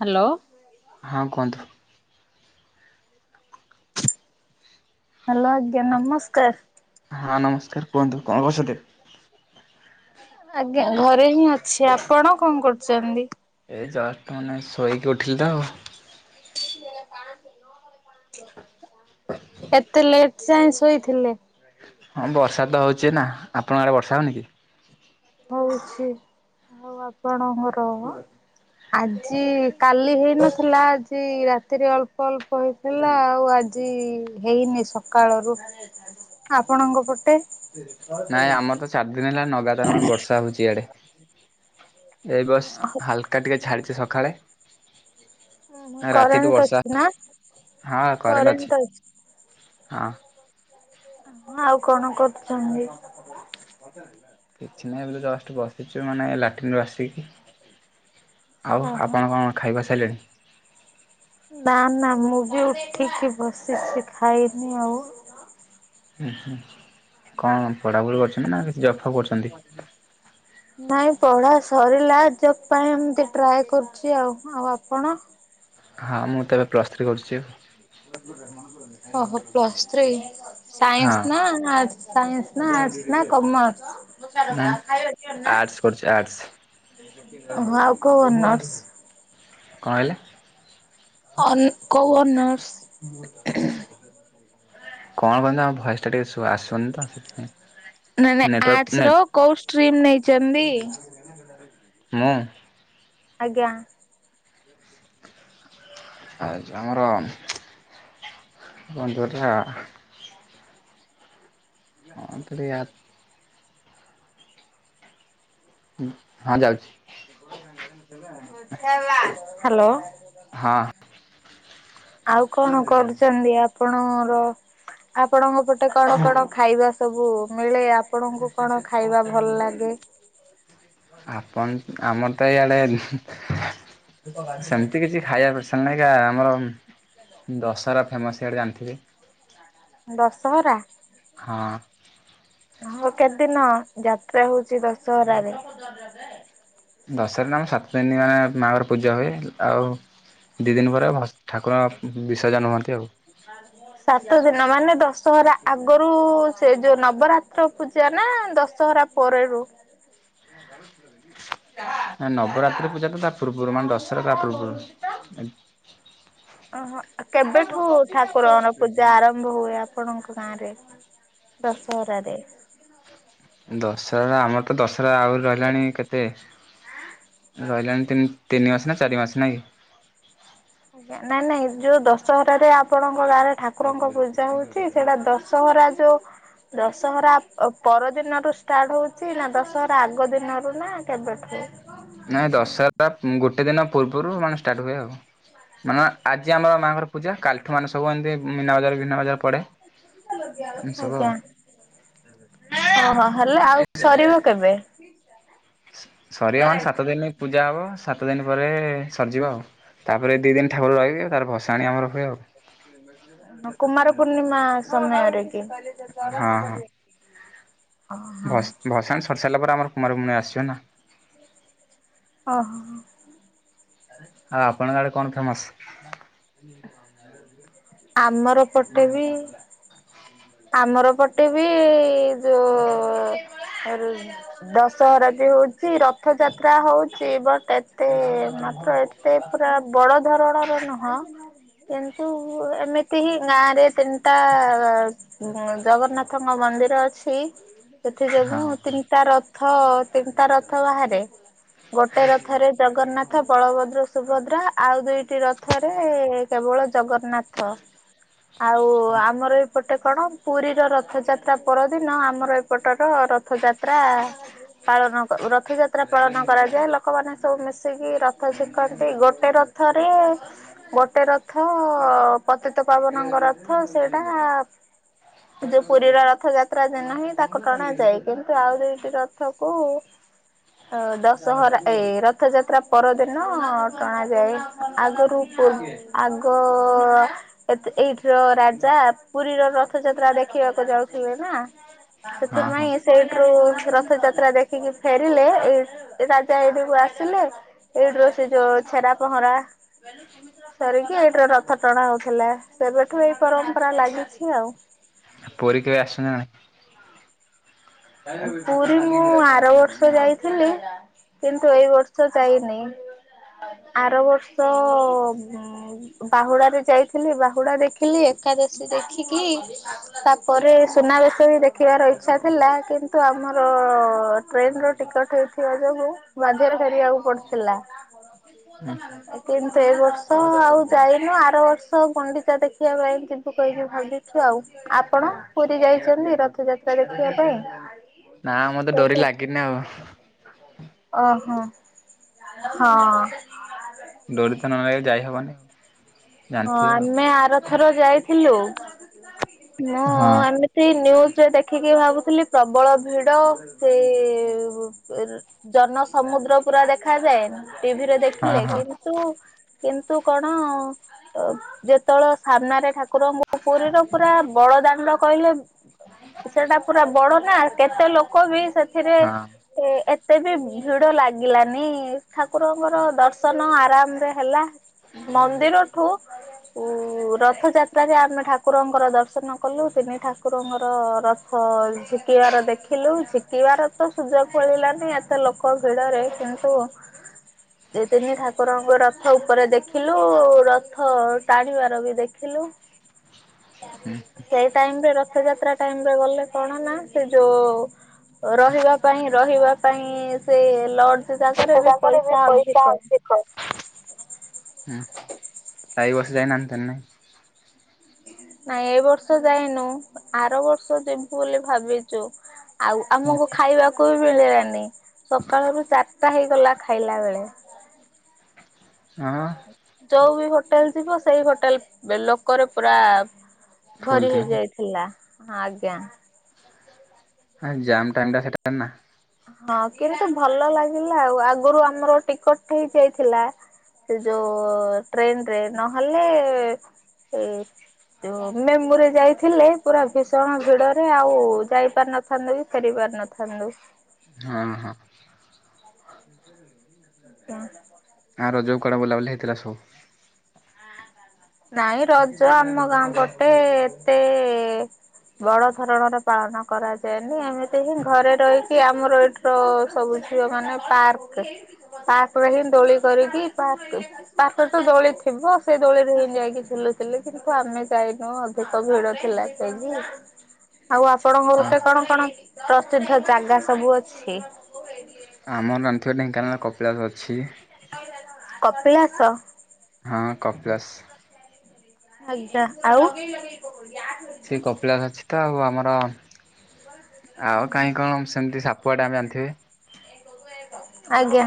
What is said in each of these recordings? Hello ହଁ କୁହନ୍ତୁ! Hello ଆଜ୍ଞା ନମସ୍କାର। ହଁ ନମସ୍କାର କୁହନ୍ତୁ କଣ କରଛଛନ୍ତି। ଆଜ୍ଞା ଘରେ ହିଁ ଅଛି। ଆପଣ କଣ କରୁଛନ୍ତି? ଏଇ ଜଷ୍ଟ ମାନେ ଶୋଇକି ଉଠିଲେ ତ ଆଉ। କଣ ନ ପା [inaudible] କେତେ ଲେଟ ଯାଏଁ ଶୋଇଥିଲେ? ହଁ ବର୍ଷା ତ ହଉଛି ନା, ଆପଣଙ୍କ ଆଡ଼େ ବର୍ଷା ହେଉନି କି? ହଉଛି ଆଉ ଆପଣଙ୍କର? ଆଜି ଇ କାଲି ହେଇନଥି ଥିଲା ଆଜି ରାତିରେ ଅଳ୍ପ ଅଳ୍ପ ହେଇଥିଲା, ଆଉ ଆଜି ହେଇନି ସକାଳରୁ। ଆପଣଙ୍କ ପଟେ? ନାଇଁ ଆମର ତ ଚାରି ଦିନ ହେଲା ନଗାତାର ବର୍ଷା ହଉଛି ଇଆଡେ ଏଇ ବସ୍ ହାଲକା ଟିକେ ଛାଡିଛି ସକାଳେ ରାତିଠୁ କରେଣ୍ଟ ବର୍ଷା। ଅଛି ନା ହଁ କରେଣ୍ଟ ଅଛି। ହଁ। ଆଉ କଣ କରୁଛନ୍ତି? ପଥିଲା [unintelligible] କିଛି ନାହିଁ ବୋଲେ ଜଷ୍ଟ ବସିଛୁ ମାନେ ଲାଟିନ୍ରୁ ଆସିକି। ଆଉ ଓହୋ ଆପଣ କଣ ଖାଇବା ସାରିଲେଣି? ନା ନା ମୁଁ ବି ଉଠିକି ବସିଛି, ଖାଇନି ଆଉ। ହୁଁ କଣ ପଢ଼ାପଢ଼ି କରୁଛନ୍ତି, ନା କିଛି ଜବ ଫବ କରୁଛନ୍ତି? ହୁଁ [unintelligible] ନାଇଁ ପଢ଼ା ସରିଲା। ଜବ ପାଇଁ ଏମିତି ଟ୍ରାଏ କରୁଛି। ଆଉ ଆଉ ଆପଣ? ହଁ ମୁଁ ତ ଏବେ ପ୍ଲସଥ୍ରୀ କରୁଛି ଆଉ। ଓହୋ ପ୍ଲସ୍ ଥ୍ରୀ ହଁ ସାଇନ୍ସ ନା ଆଡ୍ସ- ସାଇନ୍ସ ନା ଆଡ଼ସ ନା କୋମସ୍ର? ନାଇଁ ଆର୍ଟସ୍ କରୁଛି ଆର୍ଟସ୍ ଓହୋ ଆଉ କଉ ଅନର୍ସ? କଣ ହେଲା? ଅନ କଉ ଅନର୍ସ? କଣ କହିଲେ ଆମ ଭଏସ ଟା ଟିକେ ଆସୁନି ତ ସେଥିପାଇଁ ନାଇଁ ନାଇଁ ନେଟୱାର୍କ ଆର୍ଟ୍ସ ର ନେଟ୍ କୋଉ ଷ୍ଟ୍ରିମ ନେଇଛନ୍ତି? ମୁଁ? ଆଜ୍ଞା। ଆଉ ଆମର କଣତି ହେଟା ହଁ ଥରେ ଆ ହଁ ଯାଉଛି। ହ୍ୟାଲୋ। ହଁ। ଆଉ କଣ କରୁଛନ୍ତି ଆପଣ ର? ଆପଣଙ୍କ ପଟେ କଣ କଣ ଖାଇବା ସବୁ ମିଳେ ଆପଣଙ୍କୁ କଣ ଖାଇବା ଭଲ ଲାଗେ? ଆପଣ ଆମର ତ ଏଇ ଆଡେ ସେମିତି କିଛି ଖାଇବା ପସନ୍ଦ ନାଇଁ କା ଆମର ଦଶହରା ଫେମସ୍ ଇଆଡେ ଜାଣିଥିବେ। ଦଶହରା? ହଁ। ହଁ କେତେଦିନ ଯାତ୍ରା ହଉଛି ଦଶହରାରେ? ଦର [inaudible] ଦଶହରା ଆମ ସାତ ଦିନ ଆଁ ମାଆଙ୍କର ପୂଜା ହୁଏ। ଆଉ ଦି ଦିନ ପରେ ଭ ଠାକୁର ବିସର୍ଜ ହୁଅନ୍ତି ଆଉ। ହ [unintelligible] ସାତ ଦିନ ମାନେ ଦଶହରା ଆଗରୁ ସେ ଯୋଉ ନବରାତ୍ର ପୂଜା ନା ଦଶହରା ପରେ ହଉ [unintelligible] ନବରାତ୍ରି ପୂଜା ତ ତା ପୂର୍ବରୁ ମାନେ ଦଶହରା ତା ପୂର୍ବରୁ। ଓହୋ କେବେଠୁ ଠାକୁରଙ୍କର ପୂଜା ଆରମ୍ଭ ହୁଏ ଆପଣଙ୍କ ଗାଁ ରେ? ଦଶହରାରେ? ଦଶହରା ଆମର ତ ଦଶହରା ଆହୁରି ରହିଲାଣି କେତେ ତେ ରହିଲାଣି ତି ତିନି ମାସ ନା ଚାରି ମାସ ନାଇକି? ଆଜ୍ଞା ନାଇଁ ନାଇଁ ଯୋଉ ଦଶହରାରେ ଆପଣଙ୍କ ଗାଁରେ ଠାକୁରଙ୍କ ପୂଜା ହଉଛି ସେଇଟା ଦଶ ସହରା ଯୋଉ ଦଶହରା ପରଦିନରୁ ଷ୍ଟାର୍ଟ ହଉଛି ନା ଦଶହରା ଆଗ ଦିନରୁ ନା କେବେଠୁ? ନାଇଁ ଦଶହରା ଗୋଟେ ଦିନ ପୂର୍ବରୁ ମାନେ ଷ୍ଟାର୍ଟ ହୁଏ ଆଉ। ମାନେ ଆଜି ଆମର ମାଆଙ୍କର ପୂଜା କାଲି ମାନେ ସବୁ ଏମତି ମିନା ବଜାର ବିନ୍ନା ବଜାର ପଡେ ଏମିତି ସବୁ ଆଉ। ଓହଁ ହେଲେ ଆଉ ସରିବ କେବେ? ସରିବ ମାନେ ସାତ ଦିନ ପୂଜା ହବ ସାତ ଦିନ ପରେ ସରିଯିବ ଆଉ। ତାପରେ ଦିଇ ଦିନ ଠାକୁର ରହିବେ। ତାପରେ ଭସାଣି ଆମର ହୁଏ ଆଉ। କୁମାର ପୂର୍ଣ୍ଣିମା ସମୟରେ କି? ଓହୋ ଭ ଭସାଣ ସରି ସାରିଲା ପରେ ଆମର କୁମାରପୂର୍ଣ୍ଣମା ଆସିବ ନା। ଓହୋ। ଆଉ ଆପଣଙ୍କ ଆଡେ କଣ ଫେମସ? ଆମର ପଟେ ବି ଆମର ପଟେ ବି ଯଉ ଦଶହରା ବି ହଉଛି ରଥଯାତ୍ରା ହଉଛି ବଟ ଏତେ ମାତ୍ର ସେ ପୁରା ବଡ ଧରଣର ନୁହଁ କିନ୍ତୁ ଏମିତି ହିଁ ଗାଁ ରେ ତିନିଟା ଆ ହୁଁ ଜଗନ୍ନାଥଙ୍କ ମନ୍ଦିର ଅଛି ସେଥି ହଁ ଯୋଗୁଁ ତିନିଟା ର ଥ ତିନିଟା ରଥ ବାହାରେ ଗୋଟେ ରଥରେ ଜଗନ୍ନାଥ ବଳଭଦ୍ର ସୁଭଦ୍ରା। ଆଉ ଦୁଇଟି ରଥ ଥରେ କେବଳ ଜଗନ୍ନାଥ ଆଉ ଆମର ଗୋଟେ କଣ ପୁରୀର ରଥଯାତ୍ରା ପରଦିନ ଆମର ଏପଟର ରଥଯାତ୍ରା ପାଳନ କ ରଥଯାତ୍ରା ପାଳନ କରାଯାଏ। ଲୋକମାନେ ସବୁ ମିଶିକି ରଥ ଝିକନ୍ତି। ଗୋଟେ ରଥ ଥରେ ଗୋଟେ ରଥ ପତିତ ପାବନଙ୍କ ରଥ ସେଏଟା ଯୋଉ ପୁରୀର ରଥଯାତ୍ରା ଯେ ନାହିଁ ତାକୁ ଟଣାଯାଏ କିନ୍ତୁ ଆଉ ଦୁଇଟି ରଥକୁ ତ ଦଶହରା ଏ ରଥଯାତ୍ରା ପରଦିନ ଟଣାଯାଏ ଆଗୁ ପୁ ଆଗ ଏତେ ଏଇଠିର ରାଜା ପୁରୀର ରଥଯାତ୍ରା ଦେଖିବାକୁ ଯାଉଥିଲେ ନା ହଁ ହଁ [unintelligible] ସେଇଠୁ ରଥଯାତ୍ରା ଦେଖିକି ଫେରିଲେ ଏଇ ରାଜା ଏଇଠିକୁ ଆସିଲେ ଏଇ ଡ୍ରୋ ସେ ଯୋଉ ଛେରା ପହଁରା ସରିକି ଏଇଠୀରେ ରଥ ଟଣା ହଉଥିଲା ସେବେଠୁ ଏଇ ପରମ୍ପରା ଲାଗିଛି ଆଉ। ପୁରୀ କେବେ ଆସିନା ପୁରୀ ମୁଁ ଆର ବର୍ଷ ଯାଇଥିଲି କିନ୍ତୁ ଏଇ ବର୍ଷ ଯାଇନି ଆର ବର୍ଷ ବାହୁଡା ରେ ଯାଇଥିଲି ବାହୁଡା ଦେଖିଲି ଏକାଦଶୀ ଦେଖିକି ତାପରେ ସୁନାବେଶ ବି ଦେଖିବାର ଇଛା ଥିଲା କିନ୍ତୁ ଆମର ଟ୍ରେନର ଟିକଟ ହେଇଥିବା ଯୋଗୁଁ ବାଧ୍ୟରେ ଫେରିବାକୁ ପଡଥିଲା। ନା କିନ୍ତୁ ଏ ବର୍ଷ ଆଉ ଯାଇନୁ ଆର ବର୍ଷ ଗୁଣ୍ଡିଚା ଦେଖିବା ପାଇଁ ଯିବୁ କହିକି ଭାବିଛୁ ଆଉ। ଆପଣ ପୁରୀ ଯାଇଚନ୍ତି ରଥଯାତ୍ରା ଦେଖିବା ପାଇଁ ନା ମତେ ଡୋରି ଲାଗିନି ଆଉ। ଓହଁ ହଁ। ଡୋରି ତ ନଲାଗିଲେ ଯାଇହବନି। ହଁ ଆମେ ଆରଥର ଯାଇଥିଲୁ। ହଁ। ସେମିତି ନିୁୟୁଜରେ ଦେଖିକି ଭାବୁଥିଲି ପ୍ରବଳ ଭିଡ ସେ ବୁ ଏ ଜନ ସମୁଦ୍ର ପୁରା ଦେଖାଯାଏ ଟିଭିରେ ଦେ ହଁ ଥିଲେ ହଁ କିନ୍ତୁ କିନ୍ତୁ କଣ ଅ ଯେତବେଳେ ସାମ୍ନାରେ ଠାକୁରଙ୍କୁ ପୁରୀର ପୁରା ବଡ ଦାଣ୍ଡ କହିଲେ ସେଟା ପୁରା ବଡ ନା କେତେ ଲୋକ ବି ସେଥିରେ ହଁ। ଏ ଏତେ ବି ଭିଡ ଲାଗିଲାନି ଠାକୁରଙ୍କର ଦର୍ଶନ ଆରାମ ରେ ହେଲା। ମନ୍ଦିରଠୁ ଉ ରଥଯାତ୍ରାରେ ଆମେ ଠାକୁରଙ୍କର ଦର୍ଶନ କଲୁ ତିନି ଠାକୁରଙ୍କର ହଁ ଝିକିବାର ଦେଖିଲୁ ଝିକିବାର ତ ସୁଯୋଗ ମିଳିଲାନି ଏତେ ଲୋକ ଭିଡରେ କିନ୍ତୁ ଦି ଦିନି ଠାକୁରଙ୍କୁ ରଥ ଉପରେ ଦେଖିଲୁ ର ହଁ ଟାଣିବାର ବି ଦେଖିଲୁ ସେଇ ଟାଇମ ରେ ରଥଯାତ୍ରା ଟାଇମରେ ଗଲେ କଣ ନା ସେ ଯୋଉ ରହିବା ପାଇଁ ରହିବା ପାଇଁ ସେ ଲର୍ଜ ଯାକରେ ବି ପଇସା ଅଧିକ। ହଉ ଆଈ ବସିଲା [unintelligible] ନାଇଁ ଏ ବର୍ଷ ଯାଇନୁ ଆର ବର୍ଷ ଯିବୁ ବୋଲି ଭାବିଚୁ। ଆଉ ଆମୁକୁ ଖାଇବାକୁ ବି ମିଳିଲାନି ସକାଳ ରୁ ଚାରଟା ହେଇଗଲା ଖାଇଲା ବେଳେ। ହଁ ମ। ଯୋଉ ବି ହୋଟେଲ ଯିବ ସେଇ ହୋଟେଲ ବେ ଲୋକରେ ପୁରା ଫୁଲ ଭରି ଥିବ। ହେଇ ଯାଇଥିଲା ହଁ ଆଜ୍ଞା। ନା ଜାମ୍ ଟାଇମ ଟା ସେଟା ନା। ହଁ କିନ୍ତୁ ଭଲ ଲାଗିଲା ଆଉ ଆଗରୁ ଆମର ଟିକଟ ହେଇ ଯାଇଥିଲା। ସେ ଯୋଉ ଟ୍ରେନରେ ନହେଲେ ଏ ମେ ମୁଁ ଜଉ ଯାଇଥିଲେ ପୁରା ଭୀଷଣ ଭିଡରେ ଆଉ ଯାଇ ପାରିନଥାନ୍ତୁ କି ଫେରି ପାରି ଥାନ୍ତୁ। ହଁ ହଁ। [unintelligible] ତା ଆଁ ରଜକୁ କୁଆଡ଼େ ବୁଲାବୁଲି ହେଇଥିଲା ସବୁ? ନାଇଁ ରଜ ଆମ ଗାଁ ପଟେ ଏତେ ବଡ଼ ଧରଣର ପାଳନ କରାଯାଏନି ଏମିତି ହିଁ ଘରେ ରହିକି ଆମର ଏଠ୍ ତ ସବୁ ଝିଅମାନେ ପାର୍କ ପାର୍କରେ ହିଁ ଦୋଳି କରିକି ପାକ୍ ପାଟ ତ ଦୋଳି ଥିବ ସେଇ ଦୋଳିରେ ହେଇ ଯାଇକି ଝୁଲୁଥୁଲେ ସେ କିନ୍ତୁ ଆମେ ଯାଇନୁ ଅଧିକ ଭିଡ଼ ଥିଲା ତ ଆଜି। ଆଉ ଆପଣଙ୍କର ହଁ ଟେ କଣ କଣ ପ୍ରସିଦ୍ଧ ଜାଗା ସବୁ ଅଛି? ଆମ ନାନଥିବା ଢେଙ୍କାନାଳ କପିଳାସ ଅଛି। କପିଳାସ? ହଁ କପଳାସ୍। ଆଜ୍ଞା ଆଉ? ସିଏ କପିଳାସ ଅଛି ତ ଆଉ ଆମର ଆଉ ହୁଁ। କାଇଁ କଣ ସେମତି ସାପୁଆ ଡ୍ୟାମ୍ ଜାଣିଥିବେ? ଆଜ୍ଞା।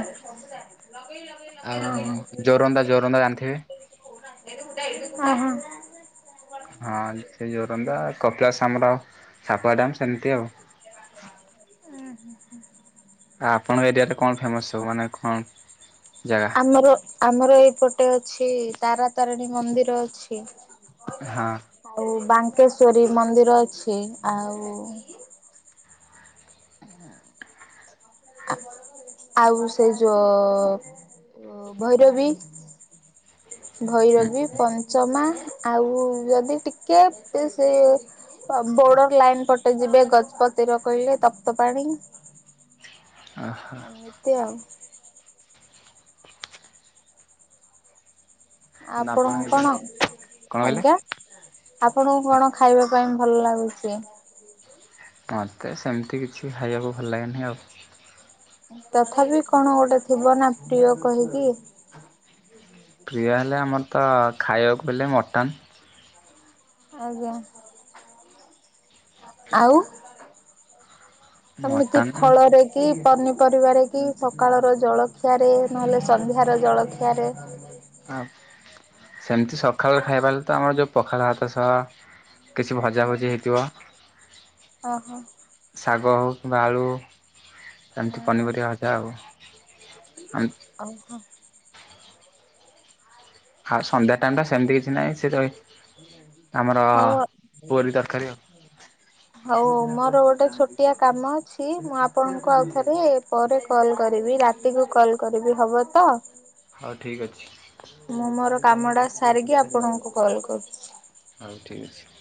ଆଉ ଯୋରନ୍ଦା ଯୋରନ୍ଦା ଜାଣିଥିବେ। ଅ ହଁ। ହଁ ସେ ଯୋରନ୍ଦା କପିଳାସ ଆମର ସାପୁଆ ଡ୍ୟାମ୍ ସେମତି ଆଉ। ଉଁ ହୁଁ ହୁଁ। ଆ ଆପଣ ଏରିଆରେ କଣ ଫେମସ୍ ସବୁ ମାନେ କଁ ଜାଗା? ମର ଆମର ଏଇପଟେ ଅଛି ତାରା ତାରିଣୀ ମନ୍ଦିର ଅଛି। ହଁ। ଆଉ ବାଙ୍କେଶ୍ଵରୀ ମନ୍ଦିର ଅଛି ଆଉ ହଁ। ଆ ଆଉ ସେ ଯୋ ଓ ଭୈରବୀ? ହୁଁ ଭୈରବୀ ପଞ୍ଚମା ଆଉ ଯଦି ଟିକେ ତେ ସେ ଅ ବୋର୍ଡର୍ ଲାଇନ୍ ପଟେ ଯିବେ ଗଜପତିର କହିବେ ତପ୍ତପାଣି। ଓହୋ ଏମିତି ଆଉ। ଆ ନା ଆପଣ ଆପଣୁଁ ଏବେ କଣ କଣ କହିଲେ? ଆଜ୍ଞା? ଆପଣଉ କଣ ଖାଇବା ପାଇଁ ଭଲ ଲାଗୁଚି? ମତେ ସେମତି କିଛି ଖାଇବାକୁ ଭଲ ଲାଗେନେହିଁ ଆଉ। ତଥାପି କଣ ଗୋଟେ ଥିବ ନାଁ ପ୍ରିୟ କହିକି। ପ୍ରିୟ ହେଲେ ଆମର ତ ଖାଇବାକୁ ବେଲେ ମଟନ୍। ଆଜ୍ଞା ଆଉ ଏମିତି ମଟନ୍ ଫଳରେ କି ପନିପରିବାରେ କି ସକାଳର ଜଳଖିଆରେ ନହେଲେ ସନ୍ଧ୍ୟାର ଜଳଖିଆରେ ଆ ସେମତି ସଖାଳର ଖାଇବା ହେଲେ ତ ଆମର ଯୋଉ ପଖାଳ ଭାତ ସହ କିଛି ଭଜା ଭଜି ହେଇଥିବ। ଓହୋ। ଶାଗ ହଉ କିମ୍ବା ଆଳୁ ଏମତି ପନିପରିବା ଅଜା ଆଉ ଆମ୍ ଆଉ ହ ଆ ସନ୍ଧ୍ୟା ଟାଇମ୍ ଟା ସେମତି କିଛି ନାହିଁ ସେ ତ ଏ ହଉ ଆ ପୁରୀ ତରକାରୀ ଆଉ। ହଉ ମୋର ଗୋଟେ ଛୋଟିଆ କାମ ଅଛି ମୁଁ ଆପଣଙ୍କୁ ଆଉ ଥରେ ପରେ କଲ୍ କରିବି ରାତିକୁୁ କଲ୍ କରିବି ହବ ତ? ହଉ ଠିକ୍ ଅଛି। ମୁଁ ମୋର କାମଟା ସାରିକି ଆପଣଙ୍କୁ କଲ୍ କରୁ ହଉ ଠିକ୍ ଅଛି।